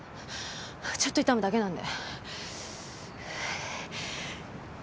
ちょっと痛むだけなんで。